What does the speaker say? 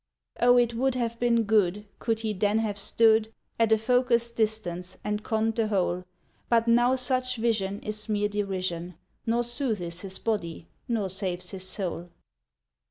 O it would have been good Could he then have stood At a focussed distance, and conned the whole, But now such vision Is mere derision, Nor soothes his body nor saves his soul.